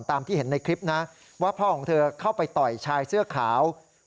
ตามที่เห็นในคลิปนะว่าพ่อของเธอเข้าไปต่อยชายเสื้อขาว